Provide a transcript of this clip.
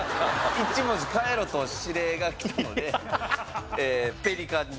「１文字替えろ」と指令が来たので「ぺりかん」に。